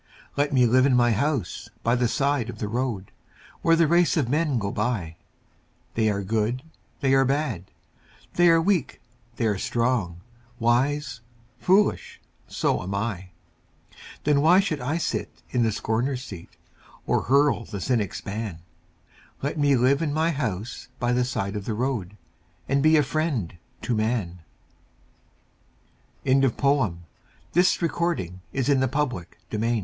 Let me live in my house by the side of the road, Where the race of men go by They are good, they are bad, they are weak, they are strong, Wise, foolish so am I. Then why should I sit in the scorner's seat, Or hurl the cynic's ban? Let me live in my house by the side of the road And be a friend to man. Sam Walter Foss Toil's Sweet Content THE Man of Questions pa